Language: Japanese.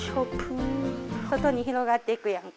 外にひろがっていくやんか。